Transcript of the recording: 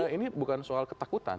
ini bukan soal ketakutan